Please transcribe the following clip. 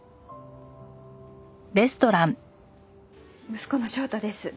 息子の翔太です。